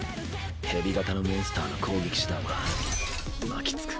蛇型のモンスターの攻撃手段は巻きつく